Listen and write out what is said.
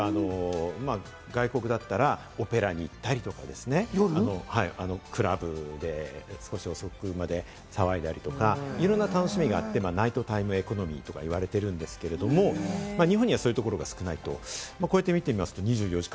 外国だったらオペラに行ったりとかですね、クラブで少し遅くまで騒いだり、いろんな楽しみがあって、ナイトタイムエコノミーとか言われてるんですけど、日本にはそういうところが少ない。